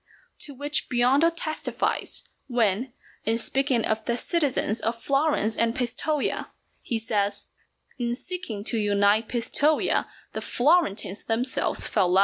To which Biondo testifies, when, in speaking of the citizens of Florence and Pistoja, he says, "In seeking to unite Pistoja the Florentines themselves fell out."